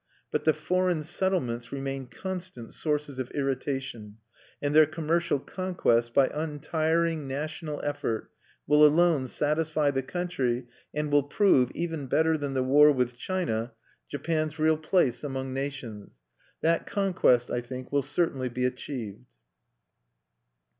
But the foreign settlements remain constant sources of irritation; and their commercial conquest by untiring national effort will alone satisfy the country, and will prove, even better than the war with China, Japan's real place among nations. That conquest, I think, will certainly be achieved.